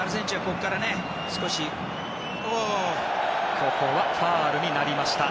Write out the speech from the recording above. ここはファウルになりました。